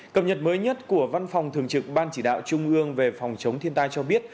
cập nhật mới nhất của văn phòng thường trực ban chỉ đạo trung ương về phòng chống thiên tai cho biết